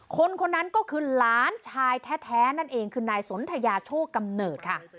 คนคนนั้นก็คือหลานชายแท้นั่นเองคือนายสนทยาโชคกำเนิดค่ะ